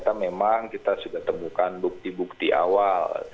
karena memang kita sudah temukan bukti bukti awal